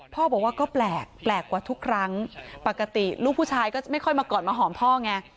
พ่อบอกว่าก็แปลกแปลกกว่าทุกครั้งปกติลูกผู้ชายก็จะไม่ค่อยมากอดมาหอมพ่อไง